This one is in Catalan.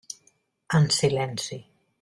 En silenci.